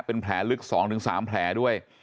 เป็นแผลลึกสองถึงสามแผลด้วย